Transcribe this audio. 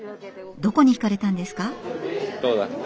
どこに惹かれたんですか？